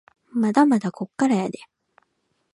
まだまだこっからやでぇ